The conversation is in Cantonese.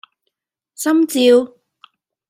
心照